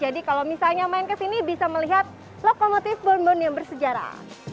di sini bisa melihat lokomotif bonbon yang bersejarah